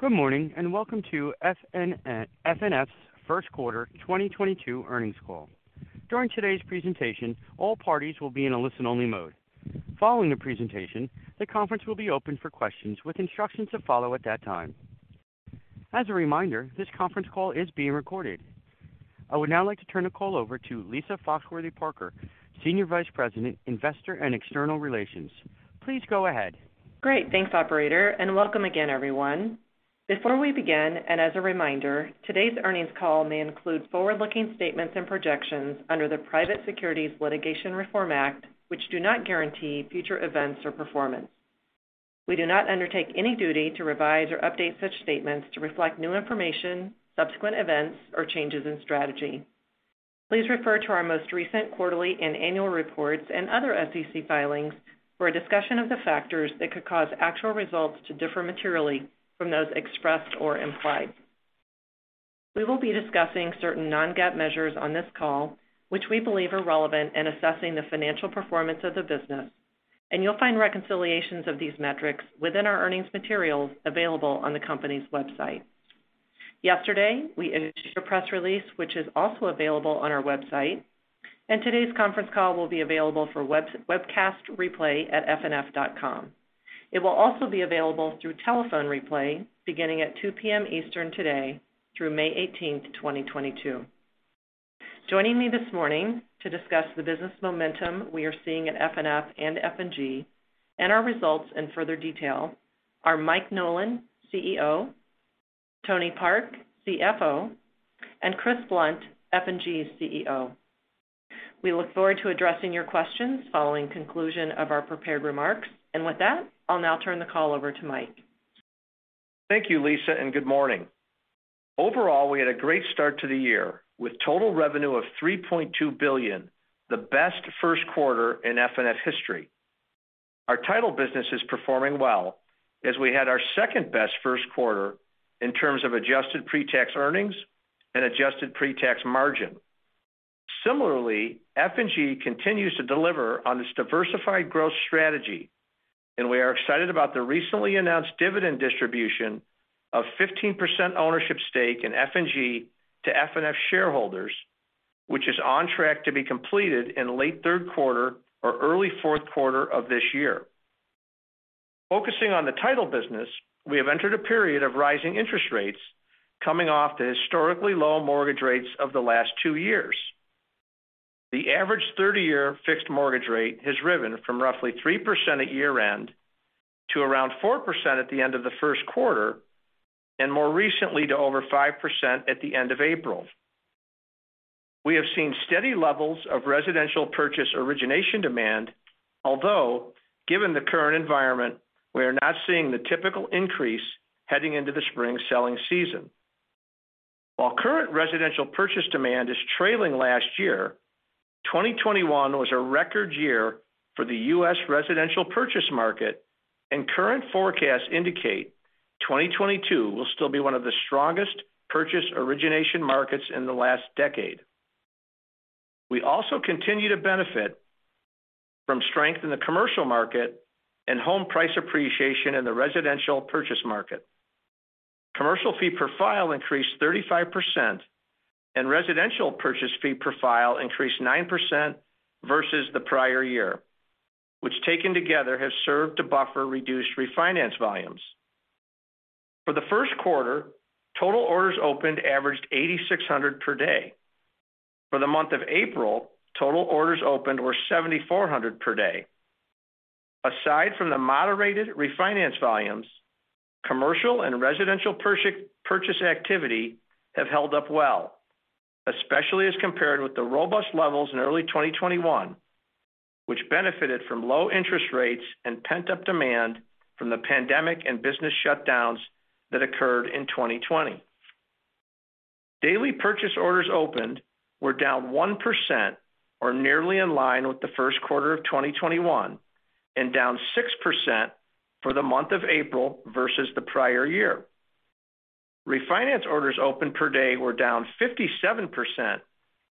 Good morning, Welcome to FNF's Q1 2022 Earnings Call. During today's presentation, all parties will be in a listen-only mode. Following the presentation, the conference will be open for questions with instructions to follow at that time. As a reminder, this conference call is being recorded. I would now like to turn the call over to Lisa Foxworthy-Parker, Senior Vice President, Investor and External Relations. Please go ahead. Great. Thanks, operator, and welcome again, everyone. Before we begin, and as a reminder, today's earnings call may include forward-looking statements and projections under the Private Securities Litigation Reform Act, which do not guarantee future events or performance. We do not undertake any duty to revise or update such statements to reflect new information, subsequent events, or changes in strategy. Please refer to our most recent quarterly and annual reports and other SEC filings for a discussion of the factors that could cause actual results to differ materially from those expressed or implied. We will be discussing certain non-GAAP measures on this call, which we believe are relevant in assessing the financial performance of the business, and you'll find reconciliations of these metrics within our earnings materials available on the company's website. Yesterday, we issued a press release, which is also available on our website, and today's conference call will be available for webcast replay at fnf.com. It will also be available through telephone replay beginning at 2:00 P.M. Eastern today through May eighteenth, twenty twenty-two. Joining me this morning to discuss the business momentum we are seeing at FNF and F&G and our results in further detail are Mike Nolan, CEO, Tony Park, CFO, and Chris Blunt, F&G's CEO. We look forward to addressing your questions following conclusion of our prepared remarks. With that, I'll now turn the call over to Mike. Thank you, Lisa, and good morning. Overall, we had a great start to the year, with total revenue of $3.2 billion, the best Q1 in FNF history. Our title business is performing well as we had our second-best Q1 in terms of adjusted pre-tax earnings and adjusted pre-tax margin. Similarly, F&G continues to deliver on its diversified growth strategy, and we are excited about the recently announced dividend distribution of 15% ownership stake in F&G to FNF shareholders, which is on track to be completed in late Q3 or early Q4 of this year. Focusing on the title business, we have entered a period of rising interest rates coming off the historically low mortgage rates of the last two years. The average 30-year fixed mortgage rate has risen from roughly 3% at year-end to around 4% at the end of the Q1, and more recently to over 5% at the end of April. We have seen steady levels of residential purchase origination demand, although given the current environment, we are not seeing the typical increase heading into the spring selling season. While current residential purchase demand is trailing last year, 2021 was a record year for the US residential purchase market, and current forecasts indicate 2022 will still be one of the strongest purchase origination markets in the last decade. We also continue to benefit from strength in the commercial market and home price appreciation in the residential purchase market. Commercial fee per file increased 35%, and residential purchase fee per file increased 9% versus the prior year, which taken together has served to buffer reduced refinance volumes. For the Q1 total orders opened averaged 8,600 per day. For the month of April, total orders opened were 7,400 per day. Aside from the moderated refinance volumes, commercial and residential purchase activity have held up well, especially as compared with the robust levels in early 2021, which benefited from low interest rates and pent-up demand from the pandemic and business shutdowns that occurred in 2020. Daily purchase orders opened were down 1% or nearly in line with the Q1 of 2021 and down 6% for the month of April versus the prior year. Refinance orders opened per day were down 57%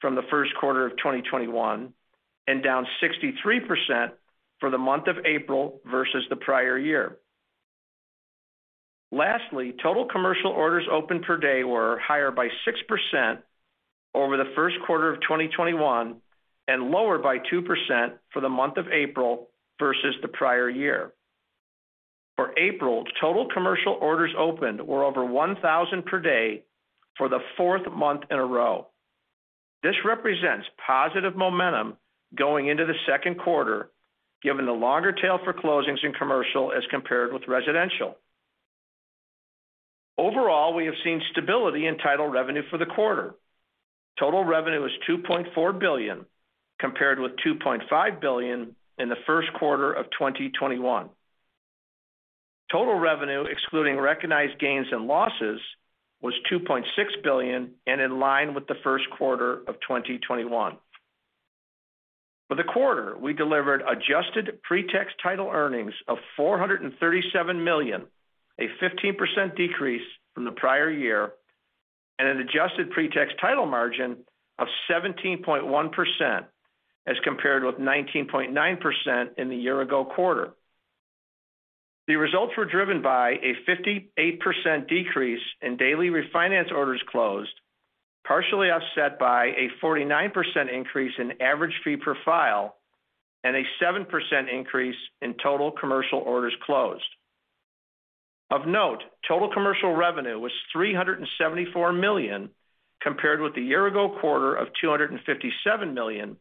from the Q1 of 2021 and down 63% for the month of April versus the prior year. Total commercial orders opened per day were higher by 6% over the Q1 of 2021 and lower by 2% for the month of April versus the prior year. For April, total commercial orders opened were over 1,000 per day for the fourth month in a row. This represents positive momentum going into the Q2 given the longer tail for closings in commercial as compared with residential. Overall, we have seen stability in title revenue for the quarter. Total revenue is $2.4 billion, compared with $2.5 billion in the Q1 of 2021. Total revenue excluding recognized gains and losses was $2.6 billion and in line with the Q1 of 2021. For the quarter, we delivered adjusted pre-tax title earnings of $437 million, a 15% decrease from the prior year. An adjusted pre-tax title margin of 17.1% as compared with 19.9% in the year ago quarter. The results were driven by a 58% decrease in daily refinance orders closed, partially offset by a 49% increase in average fee per file and a 7% increase in total commercial orders closed. Of note, total commercial revenue was $374 million compared with the year ago quarter of $257 million,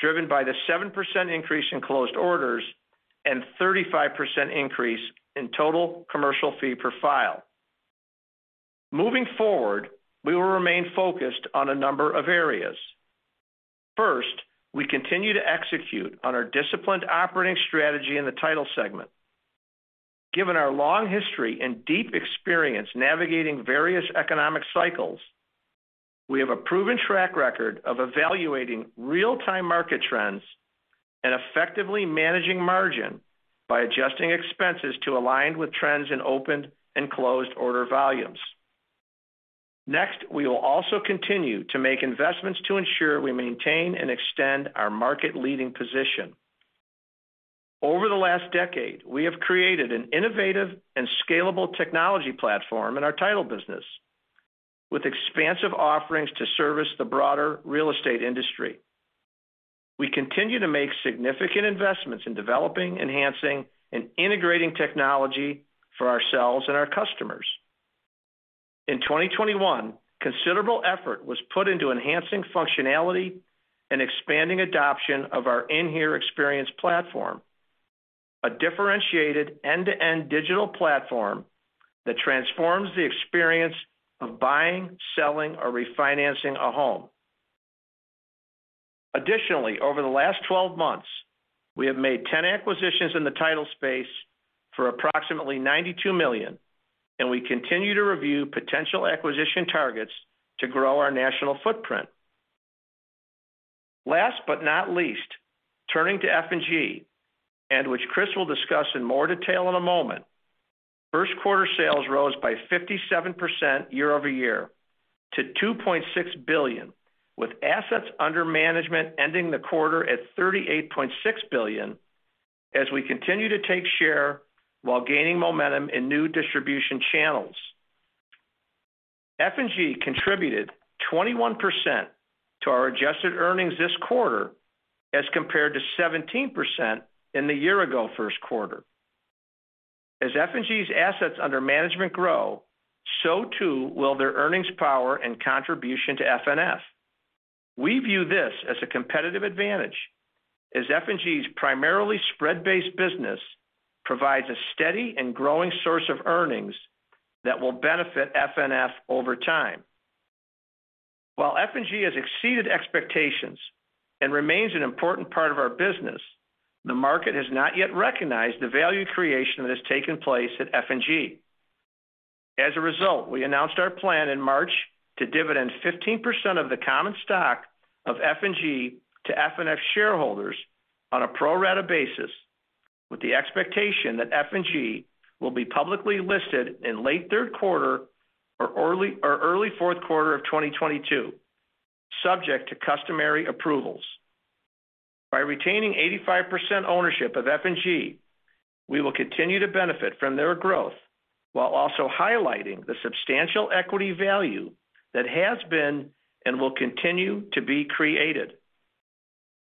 driven by the 7% increase in closed orders and 35% increase in total commercial fee per file. Moving forward, we will remain focused on a number of areas. First, we continue to execute on our disciplined operating strategy in the title segment. Given our long history and deep experience navigating various economic cycles, we have a proven track record of evaluating real-time market trends and effectively managing margin by adjusting expenses to align with trends in opened and closed order volumes. Next, we will also continue to make investments to ensure we maintain and extend our market-leading position. Over the last decade, we have created an innovative and scalable technology platform in our title business with expansive offerings to service the broader real estate industry. We continue to make significant investments in developing, enhancing, and integrating technology for ourselves and our customers. In 2021, considerable effort was put into enhancing functionality and expanding adoption of our inHere Experience platform, a differentiated end-to-end digital platform that transforms the experience of buying, selling or refinancing a home. Additionally, over the last 12 months, we have made 10 acquisitions in the title space for approximately $92 million, and we continue to review potential acquisition targets to grow our national footprint. Last but not least, turning to F&G, and which Chris will discuss in more detail in a moment. Q1 sales rose by 57% year-over-year to $2.6 billion, with assets under management ending the quarter at $38.6 billion as we continue to take share while gaining momentum in new distribution channels. F&G contributed 21% to our adjusted earnings this quarter as compared to 17% in the year ago Q1. As F&G's assets under management grow, so too will their earnings power and contribution to FNF. We view this as a competitive advantage as F&G's primarily spread-based business provides a steady and growing source of earnings that will benefit FNF over time. While F&G has exceeded expectations and remains an important part of our business, the market has not yet recognized the value creation that has taken place at F&G. As a result, we announced our plan in March to dividend 15% of the common stock of F&G to FNF shareholders on a pro rata basis, with the expectation that F&G will be publicly listed in late Q3 or early Q4 of 2022, subject to customary approvals. By retaining 85% ownership of F&G, we will continue to benefit from their growth while also highlighting the substantial equity value that has been and will continue to be created.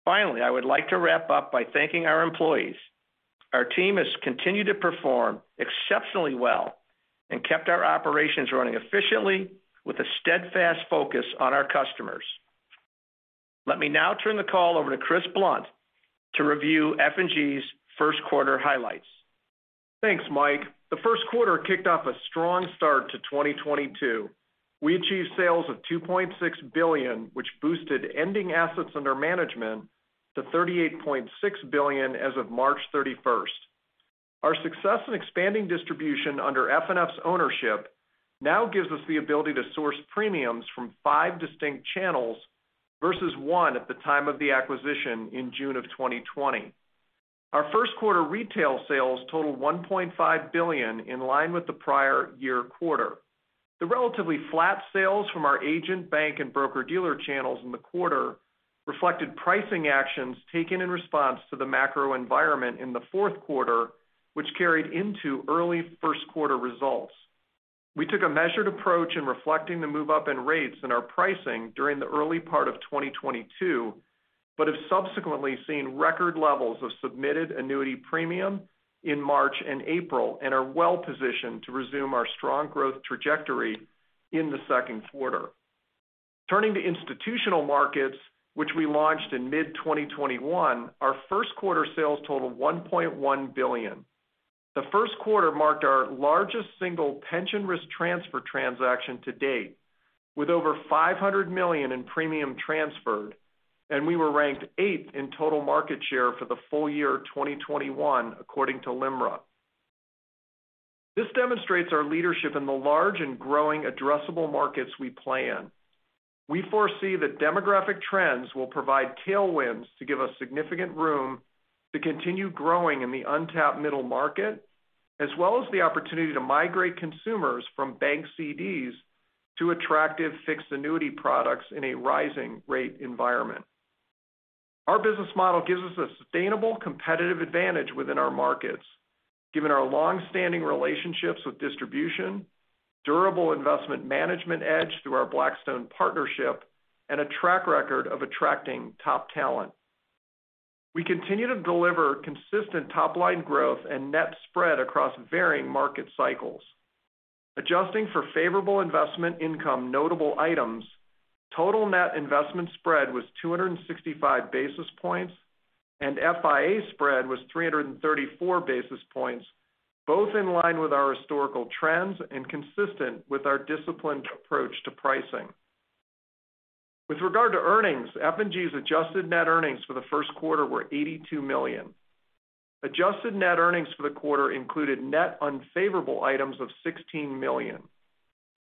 Finally, I would like to wrap up by thanking our employees. Our team has continued to perform exceptionally well and kept our operations running efficiently with a steadfast focus on our customers. Let me now turn the call over to Chris Blunt to review F&G's Q1 highlights. Thanks, Mike. The Q1 kicked off a strong start to 2022. We achieved sales of $2.6 billion, which boosted ending assets under management to $38.6 billion as of March 31st. Our success in expanding distribution under FNF's ownership now gives us the ability to source premiums from five distinct channels versus one at the time of the acquisition in June of 2020. Our Q1 retail sales totaled $1.5 billion in line with the prior year quarter. The relatively flat sales from our agent, bank, and broker-dealer channels in the quarter reflected pricing actions taken in response to the macro environment in the Q4, which carried into early Q1 results. We took a measured approach in reflecting the move-up in rates in our pricing during the early part of 2022, but have subsequently seen record levels of submitted annuity premium in March and April and are well positioned to resume our strong growth trajectory in the Q2. Turning to institutional markets, which we launched in mid-2021, our Q1 sales totaled $1.1 billion. The Q1 marked our largest single pension risk transfer transaction to date with over $500 million in premium transferred, and we were ranked eighth in total market share for the full year 2021, according to LIMRA. This demonstrates our leadership in the large and growing addressable markets we play in. We foresee that demographic trends will provide tailwinds to give us significant room to continue growing in the untapped middle market, as well as the opportunity to migrate consumers from bank CDs to attractive fixed annuity products in a rising rate environment. Our business model gives us a sustainable competitive advantage within our markets, given our long-standing relationships with distribution, durable investment management edge through our Blackstone partnership, and a track record of attracting top talent. We continue to deliver consistent top-line growth and net spread across varying market cycles. Adjusting for favorable investment income notable items, total net investment spread was 265 basis points, and FIA spread was 334 basis points, both in line with our historical trends and consistent with our disciplined approach to pricing. With regard to earnings, FNF's adjusted net earnings for the Q1 were $82 million. Adjusted net earnings for the quarter included net unfavorable items of $16 million,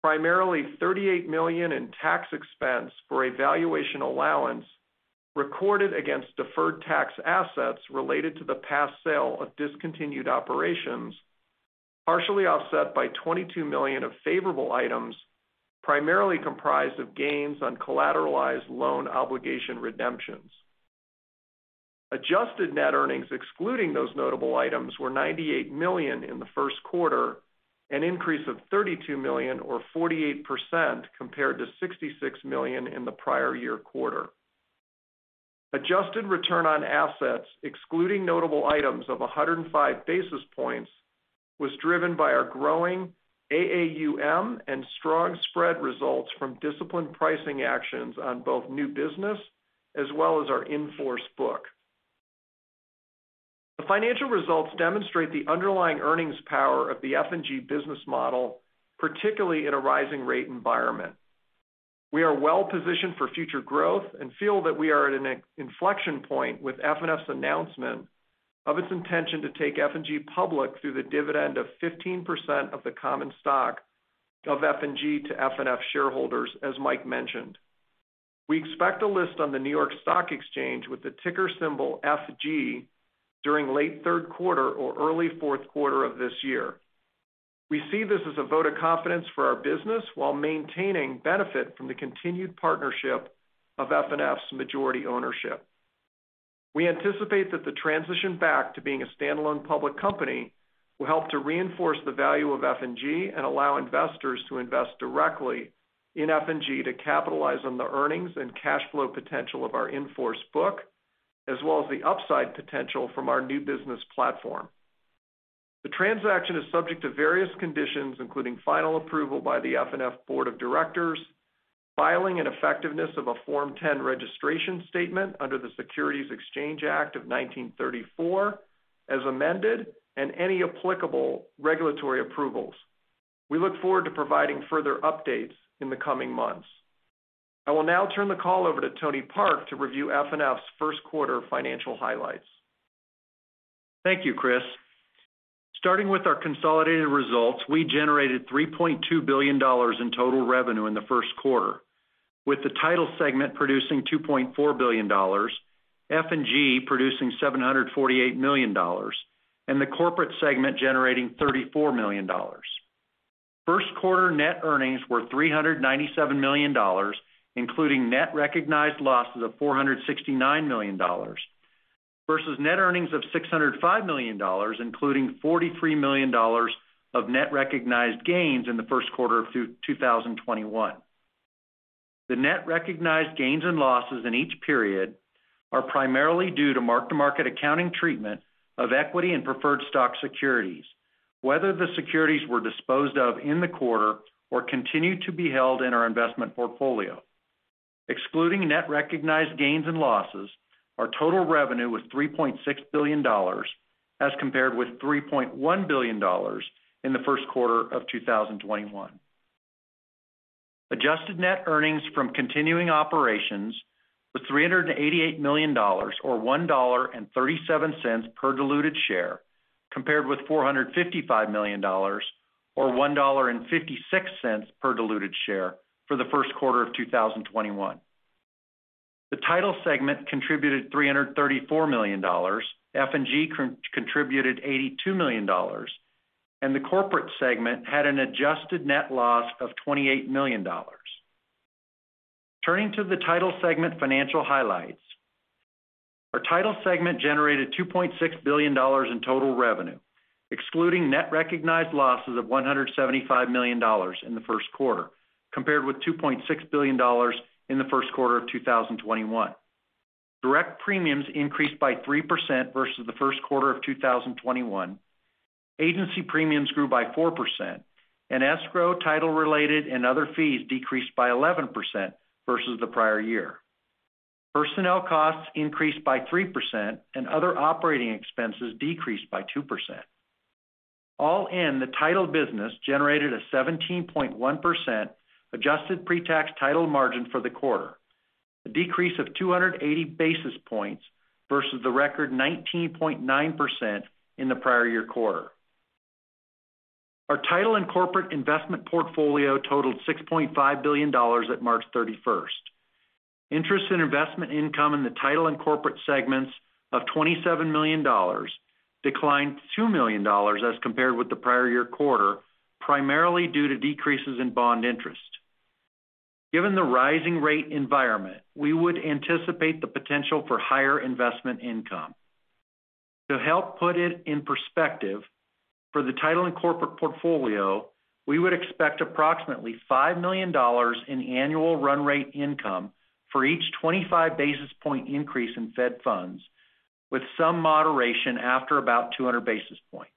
primarily $38 million in tax expense for a valuation allowance recorded against deferred tax assets related to the past sale of discontinued operations, partially offset by $22 million of favorable items primarily comprised of gains on collateralized loan obligation redemptions. Adjusted net earnings excluding those notable items were $98 million in the Q1, an increase of $32 million or 48% compared to $66 million in the prior year quarter. Adjusted return on assets excluding notable items of 105 basis points was driven by our growing AAUM and strong spread results from disciplined pricing actions on both new business as well as our in-force book. The financial results demonstrate the underlying earnings power of the F&G business model, particularly in a rising rate environment. We are well positioned for future growth and feel that we are at an inflection point with FNF's announcement of its intention to take F&G public through the dividend of 15% of the common stock of F&G to FNF shareholders, as Mike mentioned. We expect to list on the New York Stock Exchange with the ticker symbol FG during late Q3 or early Q4 of this year. We see this as a vote of confidence for our business while maintaining benefit from the continued partnership of FNF's majority ownership. We anticipate that the transition back to being a standalone public company will help to reinforce the value of F&G and allow investors to invest directly in F&G to capitalize on the earnings and cash flow potential of our in-force book, as well as the upside potential from our new business platform. The transaction is subject to various conditions, including final approval by the FNF board of directors, filing and effectiveness of a Form 10 registration statement under the Securities Exchange Act of 1934 as amended, and any applicable regulatory approvals. We look forward to providing further updates in the coming months. I will now turn the call over to Tony Park to review FNF's Q1 financial highlights. Thank you, Chris. Starting with our consolidated results, we generated $3.2 billion in total revenue in the Q1, with the title segment producing $2.4 billion, F&G producing $748 million, and the corporate segment generating $34 million. Q1 net earnings were $397 million, including net recognized losses of $469 million versus net earnings of $605 million, including $43 million of net recognized gains in the Q1 of 2021. The net recognized gains and losses in each period are primarily due to mark-to-market accounting treatment of equity and preferred stock securities, whether the securities were disposed of in the quarter or continued to be held in our investment portfolio. Excluding net recognized gains and losses, our total revenue was $3.6 billion as compared with $3.1 billion in the Q1 of 2021. Adjusted net earnings from continuing operations was $388 million or $1.37 per diluted share, compared with $455 million or $1.56 per diluted share for the Q1 of 2021. The title segment contributed $334 million, F&G contributed $82 million, and the corporate segment had an adjusted net loss of $28 million. Turning to the title segment financial highlights. Our title segment generated $2.6 billion in total revenue, excluding net recognized losses of $175 million in the Q1, compared with $2.6 billion in the Q1 of 2021. Direct premiums increased by 3% versus the Q1 of 2021. Agency premiums grew by 4%, and escrow, title-related, and other fees decreased by 11% versus the prior year. Personnel costs increased by 3%, and other operating expenses decreased by 2%. All in, the title business generated a 17.1% adjusted pre-tax title margin for the quarter, a decrease of 280 basis points versus the record 19.9% in the prior year quarter. Our title and corporate investment portfolio totaled $6.5 billion at March 31st. Interest in investment income in the title and corporate segments of $27 million declined $2 million as compared with the prior year quarter, primarily due to decreases in bond interest. Given the rising rate environment, we would anticipate the potential for higher investment income. To help put it in perspective, for the title and corporate portfolio, we would expect approximately $5 million in annual run rate income for each 25 basis point increase in Fed funds with some moderation after about 200 basis points.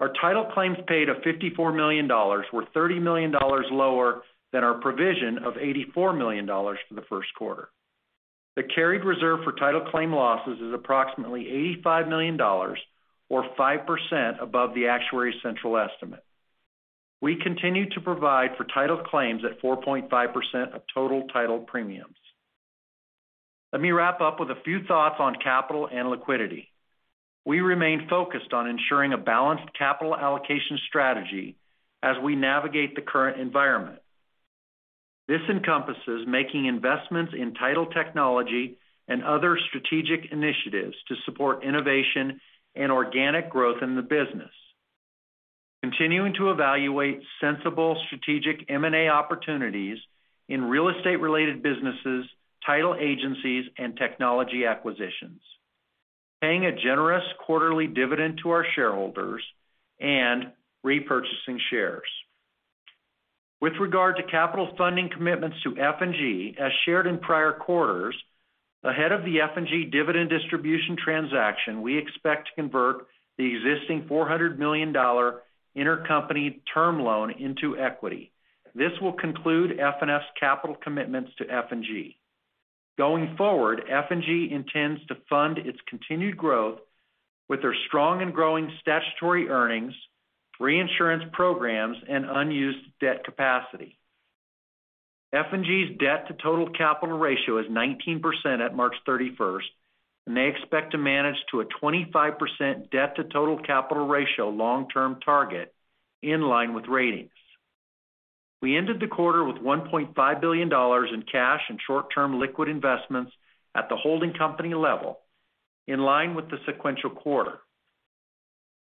Our title claims paid of $54 million were $30 million lower than our provision of $84 million for the Q1. The carried reserve for title claim losses is approximately $85 million or 5% above the actuary's central estimate. We continue to provide for title claims at 4.5% of total title premiums. Let me wrap up with a few thoughts on capital and liquidity. We remain focused on ensuring a balanced capital allocation strategy as we navigate the current environment. This encompasses making investments in title technology and other strategic initiatives to support innovation and organic growth in the business. Continuing to evaluate sensible strategic M&A opportunities in real estate-related businesses, title agencies, and technology acquisitions. Paying a generous quarterly dividend to our shareholders and repurchasing shares. With regard to capital funding commitments to F&G, as shared in prior quarters, ahead of the F&G dividend distribution transaction, we expect to convert the existing $400 million intercompany term loan into equity. This will conclude FNF's capital commitments to F&G. Going forward, F&G intends to fund its continued growth with their strong and growing statutory earnings, reinsurance programs, and unused debt capacity. F&G's debt to total capital ratio is 19% at March 31, and they expect to manage to a 25% debt to total capital ratio long-term target in line with ratings. We ended the quarter with $1.5 billion in cash and short-term liquid investments at the holding company level, in line with the sequential quarter.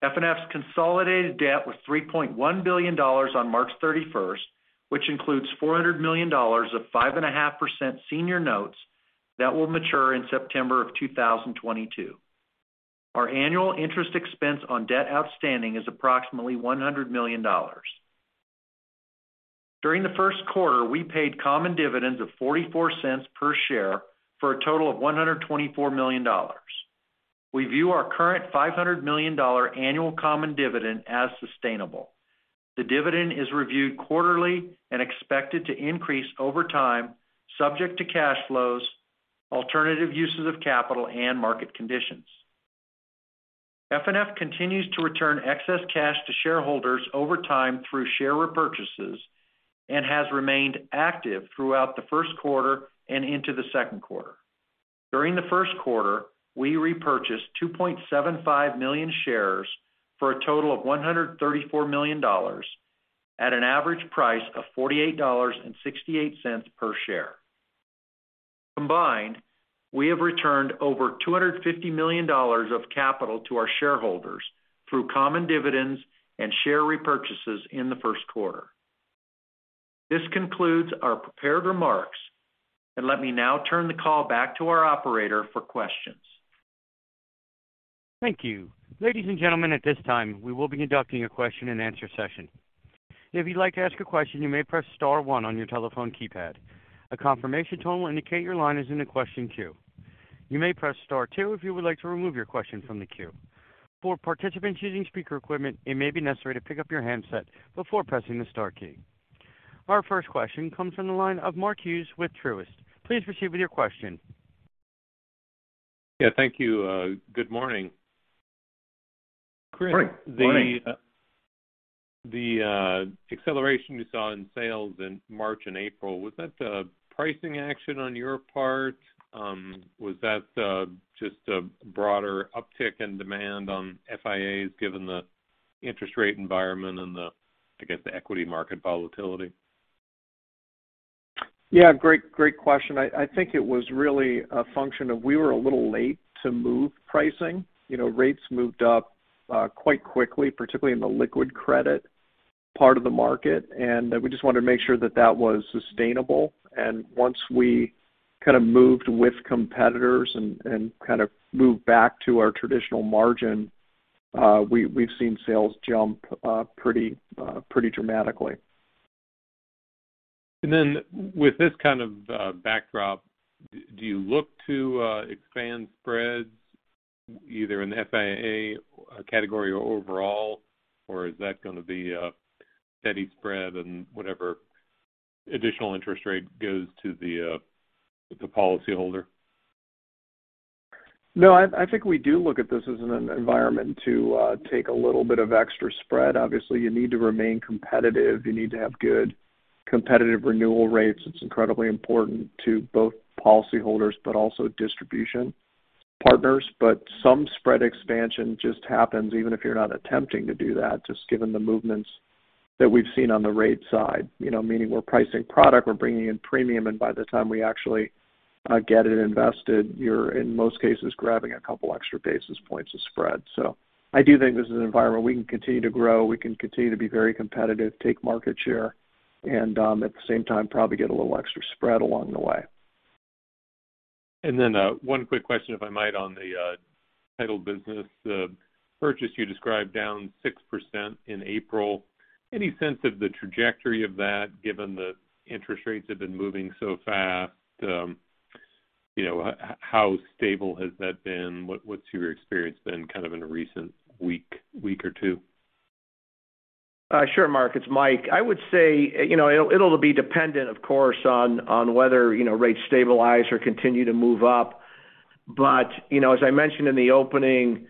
FNF's consolidated debt was $3.1 billion on March 31, which includes $400 million of 5.5% senior notes that will mature in September 2022. Our annual interest expense on debt outstanding is approximately $100 million. During the Q1, we paid common dividends of $0.44 per share for a total of $124 million. We view our current $500 million annual common dividend as sustainable. The dividend is reviewed quarterly and expected to increase over time, subject to cash flows, alternative uses of capital, and market conditions. FNF continues to return excess cash to shareholders over time through share repurchases and has remained active throughout the Q1 and into the Q2. During the Q1, we repurchased 2.75 million shares for a total of $134 million at an average price of $48.68 per share. Combined, we have returned over $250 million of capital to our shareholders through common dividends and share repurchases in the Q1. This concludes our prepared remarks, and let me now turn the call back to our operator for questions. Thank you. Ladies and gentlemen, at this time, we will be conducting a question-and-answer session. If you'd like to ask a question, you may press star one on your telephone keypad. A confirmation tone will indicate your line is in the question queue. You may press star two if you would like to remove your question from the queue. For participants using speaker equipment, it may be necessary to pick up your handset before pressing the star key. Our first question comes from the line of Mark Hughes with Truist. Please proceed with your question. Yeah, thank you. Good morning. Great. Good morning. The acceleration you saw in sales in March and April, was that a pricing action on your part? Was that just a broader uptick in demand on FIAs given the interest rate environment and, I guess, the equity market volatility? Yeah, great question. I think it was really a function of we were a little late to move pricing. You know, rates moved up quite quickly, particularly in the liquid credit part of the market, and we just wanted to make sure that that was sustainable. Once we kind of moved with competitors and kind of moved back to our traditional margin, we've seen sales jump pretty dramatically. With this kind of backdrop, do you look to expand spreads either in the FIA category or overall, or is that gonna be a steady spread and whatever additional interest rate goes to the policyholder? No, I think we do look at this as an environment to take a little bit of extra spread. Obviously, you need to remain competitive. You need to have good competitive renewal rates. It's incredibly important to both policyholders but also distribution. Partners, some spread expansion just happens even if you're not attempting to do that, just given the movements that we've seen on the rate side. You know, meaning we're pricing product, we're bringing in premium, and by the time we actually get it invested, you're in most cases grabbing a couple extra basis points of spread. I do think this is an environment we can continue to grow. We can continue to be very competitive, take market share, and at the same time, probably get a little extra spread along the way. One quick question, if I might, on the title business. Purchase you described down 6% in April. Any sense of the trajectory of that, given the interest rates have been moving so fast? You know, how stable has that been? What's your experience been kind of in a recent week or two? Sure, Mark, it's Mike. I would say, you know, it'll be dependent, of course, on whether, you know, rates stabilize or continue to move up. As I mentioned in the opening,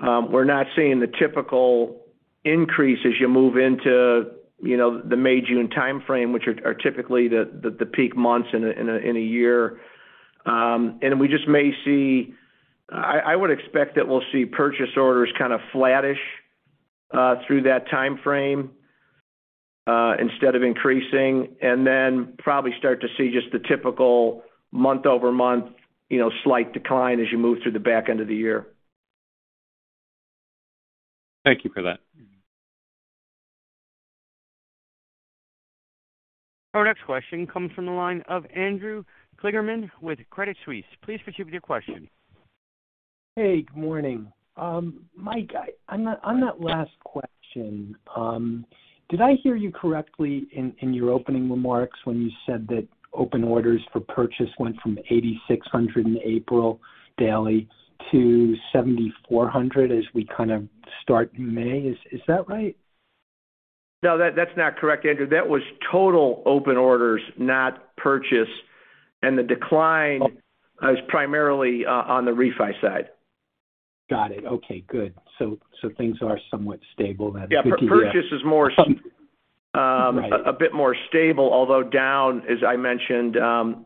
we're not seeing the typical increase as you move into, you know, the May, June timeframe, which are typically the peak months in a year. We just may see purchase orders kind of flattish through that timeframe instead of increasing, and then probably start to see just the typical month-over-month, you know, slight decline as you move through the back end of the year. Thank you for that. Our next question comes from the line of Andrew Kligerman with Credit Suisse. Please proceed with your question. Hey, good morning. Mike, on that last question, did I hear you correctly in your opening remarks when you said that open orders for purchase went from 8,600 in April daily to 7,400 as we kind of start May? Is that right? No, that's not correct, Andrew. That was total open orders, not purchase. The decline is primarily on the refi side. Got it. Okay, good. Things are somewhat stable then. Good to hear. Yeah. Right. A bit more stable, although down, as I mentioned, 1%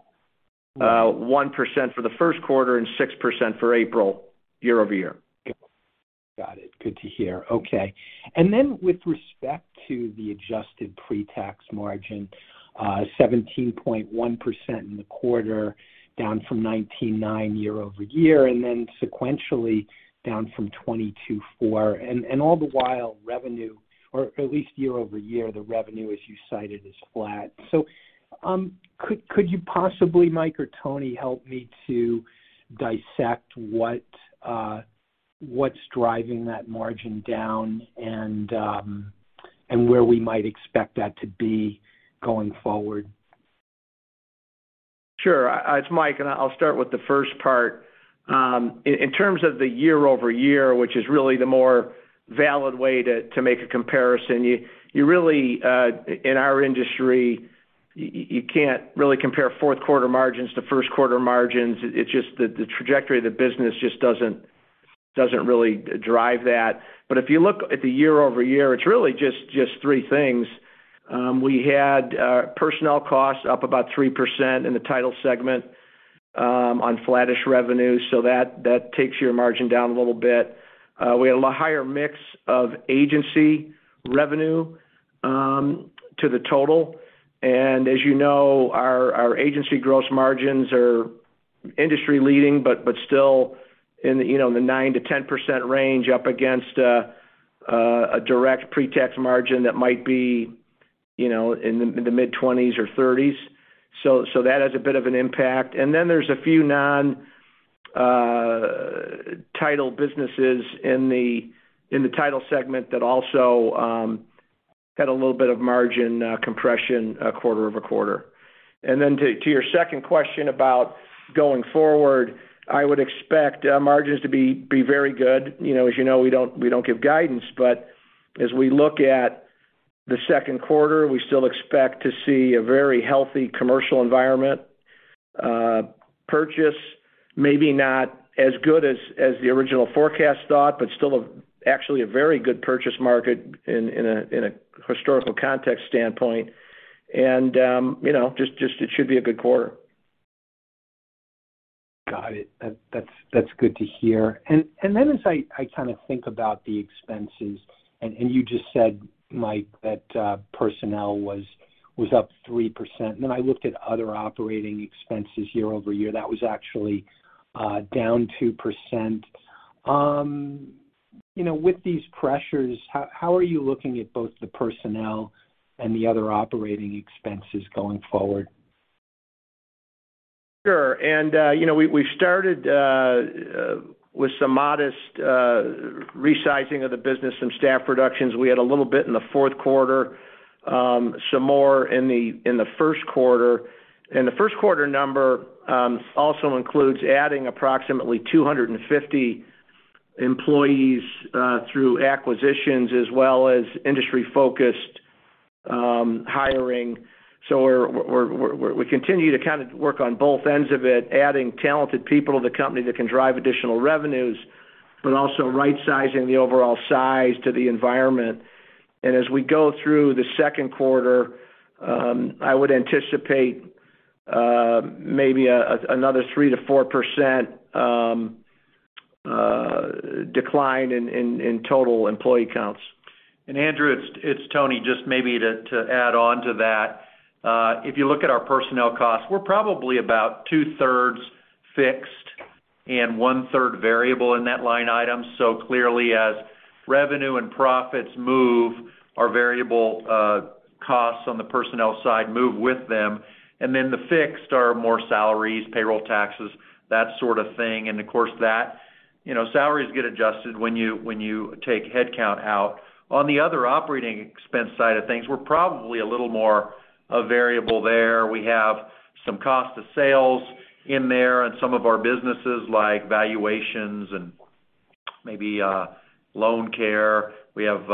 for the Q1 and 6% for April year-over-year. Got it. Good to hear. Okay. Then with respect to the adjusted pre-tax margin, 17.1% in the quarter, down from 19.9% year-over-year, and then sequentially down from 22.4%. All the while, revenue, or at least year-over-year, the revenue as you cited, is flat. Could you possibly, Mike or Tony, help me to dissect what's driving that margin down and where we might expect that to be going forward? Sure. It's Mike, and I'll start with the first part. In terms of the year-over-year, which is really the more valid way to make a comparison, you really in our industry, you can't really compare Q4 margins to Q1 margins. It's just the trajectory of the business just doesn't really drive that. If you look at the year-over-year, it's really just three things. We had personnel costs up about 3% in the title segment on flattish revenue, so that takes your margin down a little bit. We had a lot higher mix of agency revenue to the total. As you know, our agency gross margins are industry leading, but still in, you know, the 9%-10% range up against a direct pre-tax margin that might be, you know, in the mid-20s or 30s. That has a bit of an impact. Then there's a few non-title businesses in the title segment that also had a little bit of margin compression quarter-over-quarter. Then to your second question about going forward, I would expect margins to be very good. You know, as you know, we don't give guidance, but as we look at the Q2, we still expect to see a very healthy commercial environment. Purchase may be not as good as the original forecast thought, but still actually a very good purchase market in a historical context standpoint. You know, just it should be a good quarter. Got it. That's good to hear. Then as I kind of think about the expenses, and you just said, Mike, that personnel was up 3%, I looked at other operating expenses year-over-year. That was actually down 2%. You know, with these pressures, how are you looking at both the personnel and the other operating expenses going forward? Sure. You know, we've started with some modest resizing of the business and staff reductions. We had a little bit in the Q4, some more in the Q1. The Q1 number also includes adding approximately 250 employees through acquisitions as well as industry-focused hiring. We're continuing to kind of work on both ends of it, adding talented people to the company that can drive additional revenues but also right-sizing the overall size to the environment. As we go through the Q2, I would anticipate maybe another 3%-4% decline in total employee counts. Andrew, it's Tony, just maybe to add on to that. If you look at our personnel costs, we're probably about two-thirds fixed and one-third variable in that line item. Clearly as revenue and profits move, our variable costs on the personnel side move with them. Then the fixed are more salaries, payroll taxes, that sort of thing. Of course, you know, salaries get adjusted when you take head count out. On the other operating expense side of things, we're probably a little more variable there. We have some costs of sales in there in some of our businesses like valuations and maybe LoanCare. We have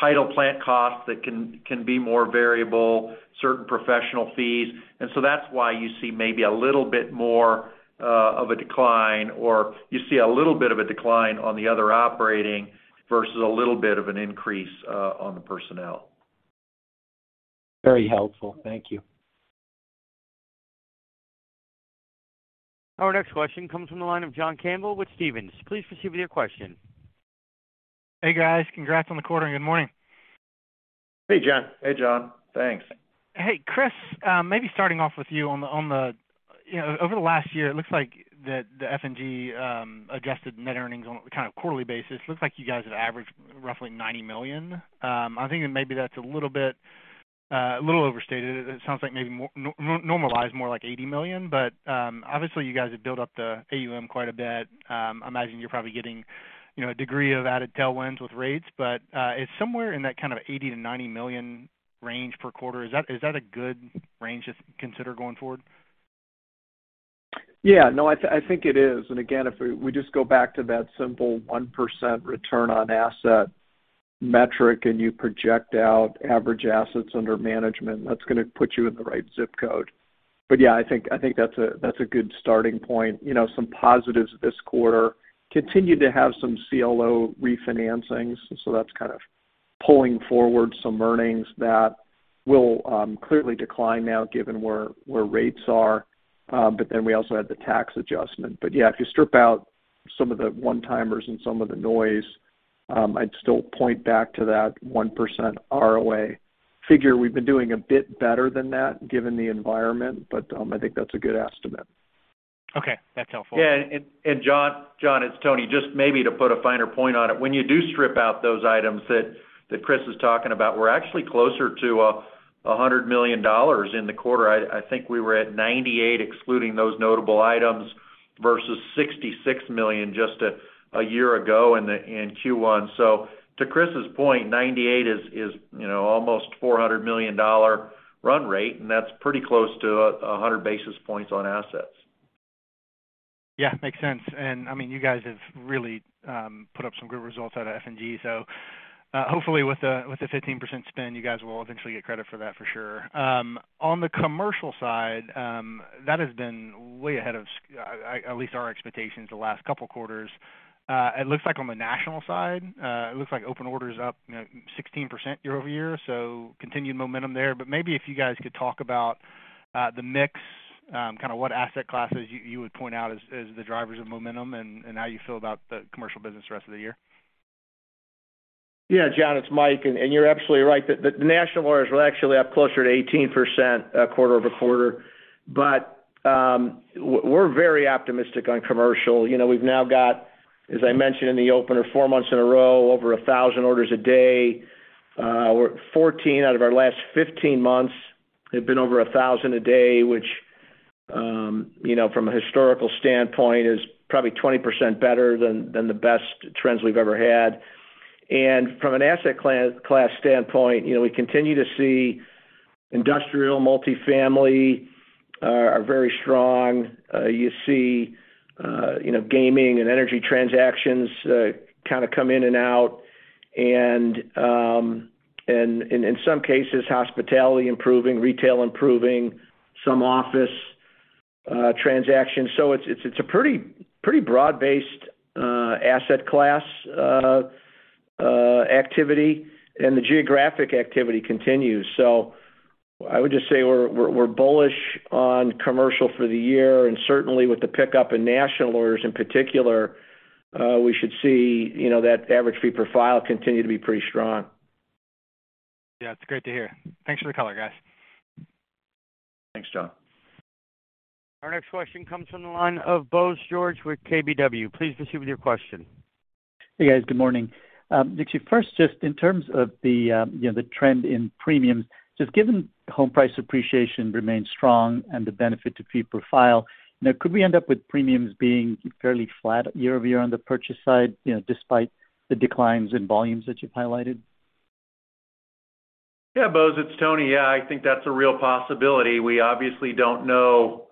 title plant costs that can be more variable, certain professional fees. That's why you see maybe a little bit more of a decline, or you see a little bit of a decline on the other operating versus a little bit of an increase on the personnel. Very helpful. Thank you. Our next question comes from the line of John Campbell with Stephens. Please proceed with your question. Hey, guys. Congrats on the quarter, and good morning. Hey, John. Hey, John. Thanks. Hey, Chris, maybe starting off with you on the. You know, over the last year, it looks like that the F&G adjusted net earnings on a kind of quarterly basis, looks like you guys have averaged roughly $90 million. I'm thinking maybe that's a little bit a little overstated. It sounds like maybe normalized more like $80 million. Obviously you guys have built up the AUM quite a bit. I imagine you're probably getting, you know, a degree of added tailwinds with rates. If somewhere in that kind of $80-$90 million range per quarter, is that a good range to consider going forward? Yeah, no, I think it is. Again, if we just go back to that simple 1% return on assets metric and you project out average assets under management, that's gonna put you in the right ZIP code. Yeah, I think that's a good starting point. You know, some positives this quarter, continue to have some CLO refinancings, so that's kind of pulling forward some earnings that will clearly decline now given where rates are. Then we also had the tax adjustment. Yeah, if you strip out some of the one-timers and some of the noise, I'd still point back to that 1% ROA figure. We've been doing a bit better than that given the environment, but I think that's a good estimate. Okay. That's helpful. John, it's Tony. Just maybe to put a finer point on it. When you do strip out those items that Chris is talking about, we're actually closer to $100 million in the quarter. I think we were at $98 million, excluding those notable items, versus $66 million just a year ago in Q1. To Chris's point, $98 million is, you know, almost $400 million run rate, and that's pretty close to 100 basis points on assets. Yeah, makes sense. I mean, you guys have really put up some good results out of F&G. Hopefully with the 15% spin, you guys will eventually get credit for that for sure. On the commercial side, that has been way ahead of at least our expectations the last couple quarters. It looks like on the national side, it looks like open order is up, you know, 16% year-over-year, so continued momentum there. Maybe if you guys could talk about the mix, kind of what asset classes you would point out as the drivers of momentum and how you feel about the commercial business the rest of the year. Yeah, John, it's Mike, and you're absolutely right. The national orders were actually up closer to 18%, quarter-over-quarter. We're very optimistic on commercial. You know, we've now got, as I mentioned in the opener, four months in a row, over 1,000 orders a day. Fourteen out of our last 15 months have been over 1,000 a day, which, you know, from a historical standpoint is probably 20% better than the best trends we've ever had. From an asset class standpoint, you know, we continue to see industrial multifamily are very strong. You see, gaming and energy transactions kind of come in and out. In some cases, hospitality improving, retail improving, some office transactions. It's a pretty broad-based asset class activity, and the geographic activity continues. I would just say we're bullish on commercial for the year, and certainly with the pickup in national orders in particular, we should see, you know, that average fee per file continue to be pretty strong. Yeah, it's great to hear. Thanks for the color, guys. Thanks, John. Our next question comes from the line of Bose George with KBW. Please proceed with your question. Hey, guys. Good morning. Actually first, just in terms of the, you know, the trend in premiums, just given home price appreciation remains strong and the benefit to fee profile, you know, could we end up with premiums being fairly flat year over year on the purchase side, you know, despite the declines in volumes that you've highlighted? Yeah, Bose, it's Tony. Yeah, I think that's a real possibility. We obviously don't know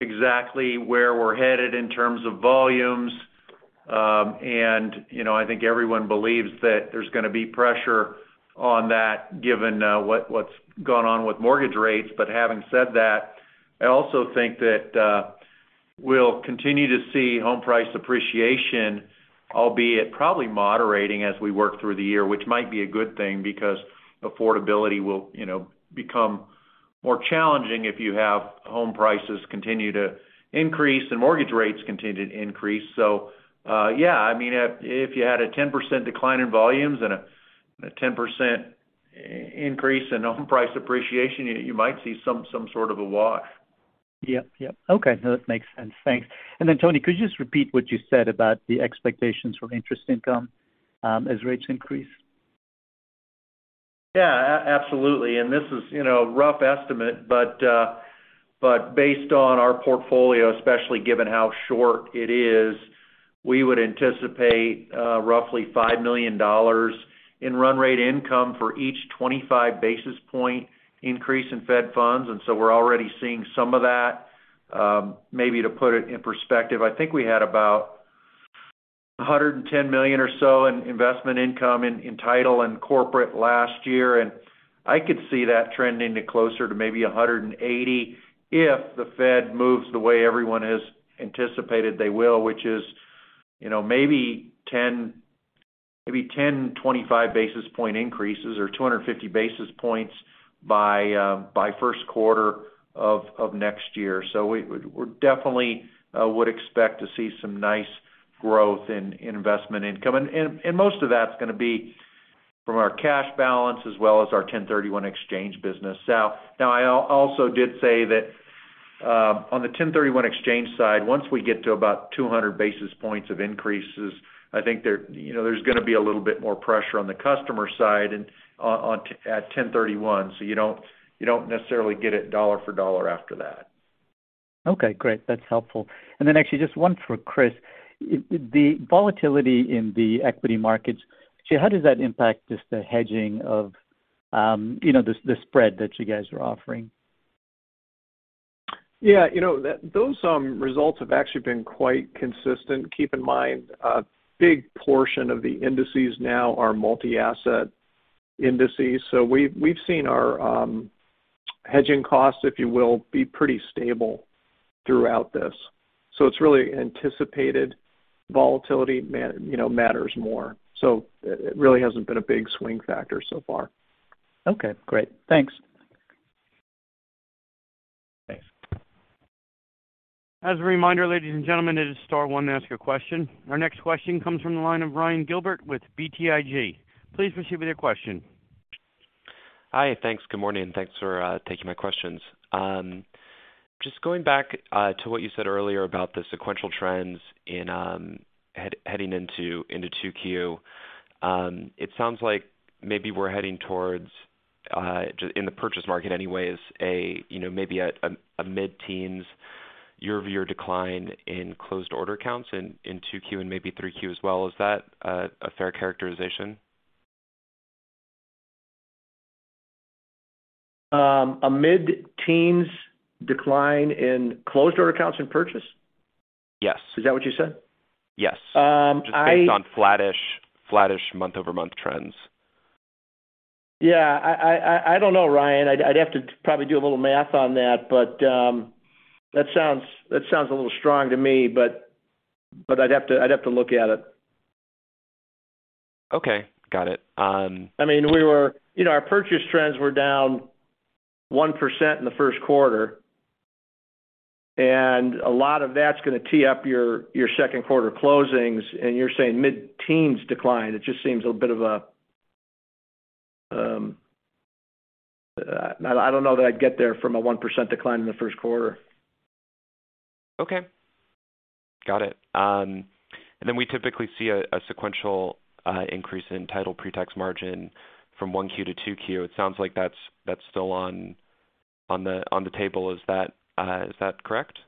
exactly where we're headed in terms of volumes. You know, I think everyone believes that there's gonna be pressure on that given what's gone on with mortgage rates. Having said that, I also think that we'll continue to see home price appreciation, albeit probably moderating as we work through the year, which might be a good thing because affordability will, you know, become more challenging if you have home prices continue to increase and mortgage rates continue to increase. Yeah, I mean, if you had a 10% decline in volumes and a 10% increase in home price appreciation, you might see some sort of a wash. Yep, yep. Okay. No, that makes sense. Thanks. Tony, could you just repeat what you said about the expectations for interest income, as rates increase? Absolutely. This is, you know, rough estimate, but based on our portfolio, especially given how short it is, we would anticipate roughly $5 million in run rate income for each 25 basis points increase in Fed funds. We're already seeing some of that. Maybe to put it in perspective, I think we had about $110 million or so in investment income in title and corporate last year. I could see that trending to closer to maybe $180 million if the Fed moves the way everyone has anticipated they will, which is, you know, maybe ten 25 basis points increases or 250 basis points by Q1 of next year. We definitely would expect to see some nice growth in investment income. Most of that's gonna be from our cash balance as well as our 1031 exchange business. Now I also did say that on the 1031 exchange side, once we get to about 200 basis points of increases, I think there, you know, there's gonna be a little bit more pressure on the customer side and on the 1031, so you don't necessarily get it dollar for dollar after that. Okay, great. That's helpful. Actually just one for Chris. The volatility in the equity markets, how does that impact just the hedging of, you know, the spread that you guys are offering? Yeah. You know, those results have actually been quite consistent. Keep in mind, a big portion of the indices now are multi-asset indices. We've seen our hedging costs, if you will, be pretty stable throughout this. It's really anticipated volatility, you know, matters more. It really hasn't been a big swing factor so far. Okay, great. Thanks. Thanks. As a reminder, ladies and gentlemen, it is star one to ask a question. Our next question comes from the line of Ryan Gilbert with BTIG. Please proceed with your question. Hi. Thanks. Good morning, and thanks for taking my questions. Just going back to what you said earlier about the sequential trends in heading into 2Q. It sounds like maybe we're heading towards in the purchase market anyways, a you know, maybe a mid-teens year-over-year decline in closed order counts in 2Q and maybe 3Q as well. Is that a fair characterization? A mid-teens decline in closed order counts and purchase? Yes. Is that what you said? Yes. Um, I- Just based on flattish month-over-month trends. Yeah, I don't know, Ryan. I'd have to probably do a little math on that, but that sounds a little strong to me, but I'd have to look at it. Okay, got it. I mean, you know, our purchase trends were down 1% in the Q1, and a lot of that's gonna tee up your Q2 closings, and you're saying mid-teens% decline. It just seems a bit of a, I don't know that I'd get there from a 1% decline in the Q1. Okay. Got it. We typically see a sequential increase in title pre-tax margin from 1Q to 2Q. It sounds like that's still on the table. Is that correct?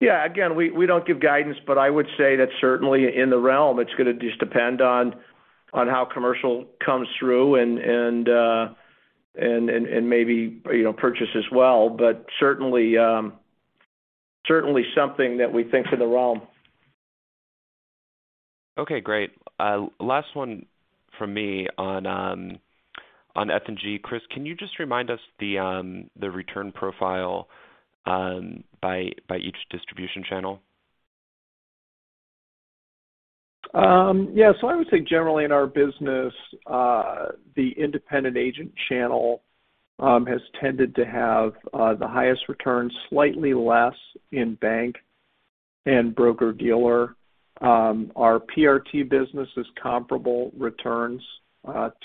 Yeah. Again, we don't give guidance, but I would say that's certainly in the realm. It's gonna just depend on how commercial comes through and maybe, you know, purchase as well. Certainly something that we think is in the realm. Okay, great. Last one from me on F&G. Chris, can you just remind us the return profile by each distribution channel? Yeah. I would say generally in our business, the independent agent channel has tended to have the highest returns, slightly less in bank and broker-dealer. Our PRT business is comparable returns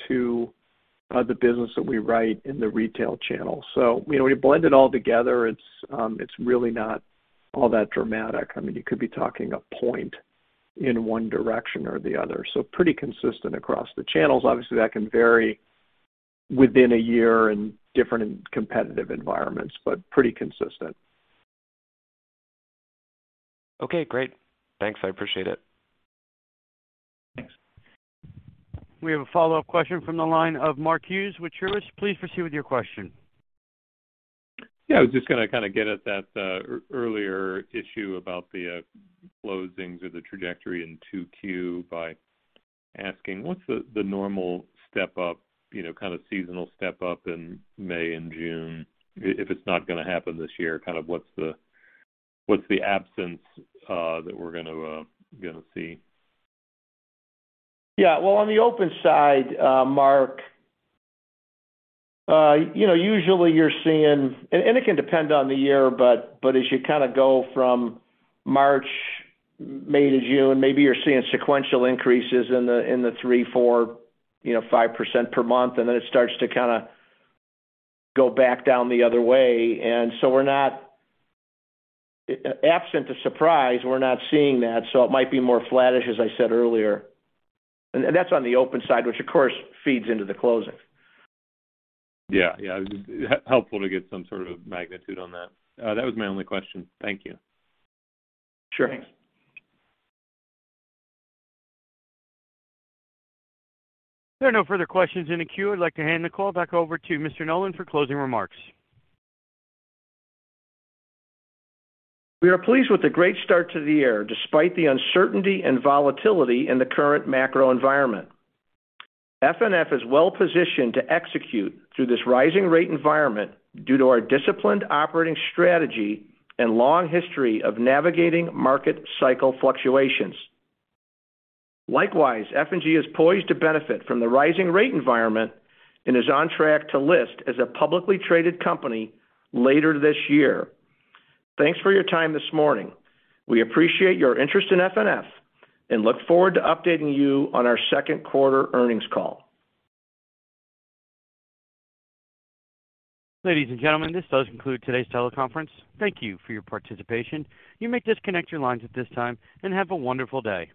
to the business that we write in the retail channel. You know, when you blend it all together, it's really not all that dramatic. I mean, you could be talking a point in one direction or the other. Pretty consistent across the channels. Obviously, that can vary within a year in different competitive environments, but pretty consistent. Okay, great. Thanks, I appreciate it. Thanks. We have a follow-up question from the line of Mark Hughes with Truist. Please proceed with your question. Yeah, I was just gonna kinda get at that earlier issue about the closings or the trajectory in 2Q by asking what's the normal step up, you know, kind of seasonal step up in May and June, if it's not gonna happen this year, kind of what's the absence that we're gonna see? Yeah. Well, on the open side, Mark, you know, usually you're seeing. It can depend on the year, but as you kinda go from March, May to June, maybe you're seeing sequential increases in the 3%, 4%, you know, 5% per month, and then it starts to kinda go back down the other way. Absent a surprise, we're not seeing that, so it might be more flattish, as I said earlier. That's on the open side, which of course feeds into the closing. Yeah. Yeah. Helpful to get some sort of magnitude on that. That was my only question. Thank you. Sure. There are no further questions in the queue. I'd like to hand the call back over to Mr. Nolan for closing remarks. We are pleased with the great start to the year, despite the uncertainty and volatility in the current macro environment. FNF is well-positioned to execute through this rising rate environment due to our disciplined operating strategy and long history of navigating market cycle fluctuations. Likewise, F&G is poised to benefit from the rising rate environment and is on track to list as a publicly traded company later this year. Thanks for your time this morning. We appreciate your interest in FNF and look forward to updating you on our Q2 earnings call. Ladies and gentlemen, this does conclude today's teleconference. Thank you for your participation. You may disconnect your lines at this time, and have a wonderful day.